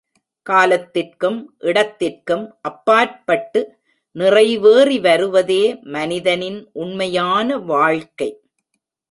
காலத்திற்கும் இடத்திற்கும் அப்பாற்பட்டு நிறைவேறி வருவதே மனிதனின் உண்மையான வாழ்க்கை.